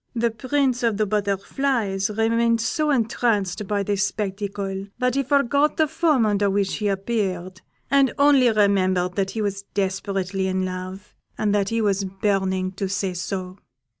The Prince of the Butterflies remained so entranced by this spectacle, that he forgot the form under which he appeared, and only remembered that he was desperately in love, and that he was burning to say so.